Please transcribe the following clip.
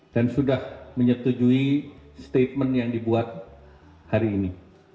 dan sudah menyetujui statement yang dibuat hari ini